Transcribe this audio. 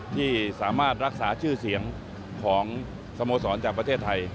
ที่สามารถรักษาชื่อเสียงของสโมสรจากประเทศไทย